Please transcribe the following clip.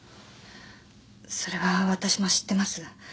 それはわたしも知ってます。